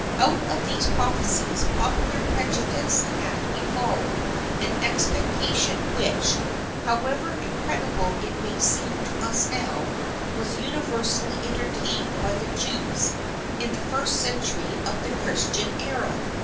Out of these prophecies popular prejudice had evolved an expectation which, however incred ible it may seem to us now, was universally entertained by the Jews in the First Century of the Christian era.